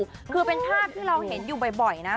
สำหรับคุณปู่คือเป็นท่าที่เราเห็นอยู่บ่อยนะ